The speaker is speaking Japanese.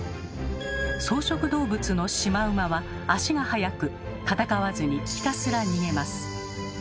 草食動物のシマウマは足が速く戦わずにひたすら逃げます。